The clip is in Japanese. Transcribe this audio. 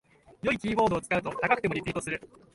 良いキーボードを使うと高くてもリピートする